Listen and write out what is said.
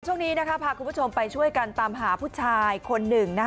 ช่วงนี้พาคุณผู้ชมไปช่วยกันตามหาผู้ชายคนหนึ่ง